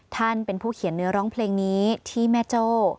ท่านเป็นผู้เขียนเนื้อร้องเพลงนี้ที่แม่โจ้